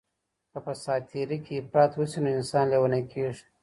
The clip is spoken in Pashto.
که په ساعت تیرۍ کي افراط وشي نو انسان لیونی کیږي.